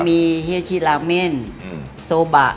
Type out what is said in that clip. มีเฮียชิลาเม่นโซบะ